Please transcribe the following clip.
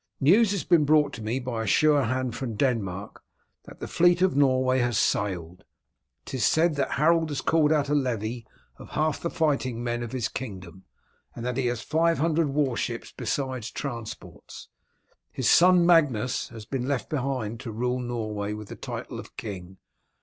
News has been brought me by a sure hand from Denmark that the fleet of Norway has sailed. 'Tis said that Harold has called out a levy of half the fighting men of his kingdom, and that he has five hundred war ships besides transports. His son, Magnus, has been left behind to rule Norway with the title of king.